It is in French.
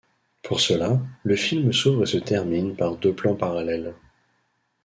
Pour cela, le film s'ouvre et se termine par deux plans parallèles.